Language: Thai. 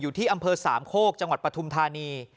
อยู่ที่อำเภอสามโคกจังหวัดปฐุมธานี